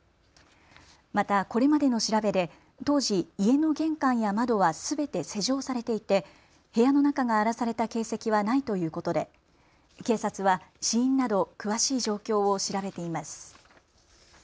またこれまでの調べで当時、家の玄関や窓はすべて施錠されていて部屋の中が荒らされた形跡はないということで警察は死因など詳しい状況を調べています。